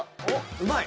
うまい！